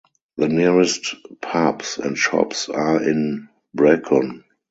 The nearest pubs and shops are in Brecon.